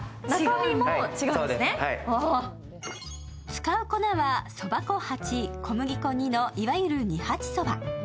使う粉はそば粉８、小麦粉２のいわゆる二八そば。